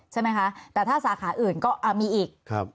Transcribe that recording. ใช่ไหมคะแต่ถ้าสาขาอื่นก็มีอีก